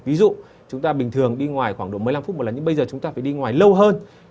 ví dụ chúng ta bình thường đi ngoài khoảng độ một mươi năm phút một lần nhưng bây giờ chúng ta phải đi ngoài lâu hơn